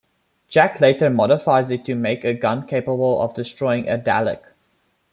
Jack later modifies it to make a gun capable of destroying a Dalek.